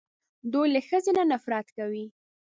دوی له ښځې نه نفرت کوي